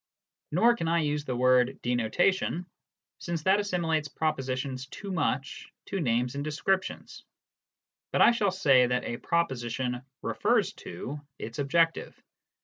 Nor can I use the word "denotation," since that assimilates propositions too much to names and descriptions. But I shall say that a proposition "refers to" its objective.